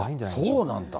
そうなんだ。